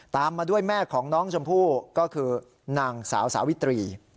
ตามมาด้วยแม่ของน้องชมพู่ก็คือนางสาวสาวิตรี